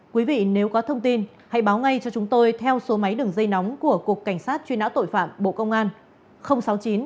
quý vị nếu có thông tin hãy báo ngay cho chúng tôi theo số máy đường dây nóng của cục cảnh sát truy nã tội phạm bộ công an sáu mươi chín hai trăm ba mươi hai